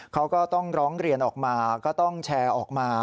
เขาก็ต้องร้องเรียนออกมาก็ต้องแชร์ออกมา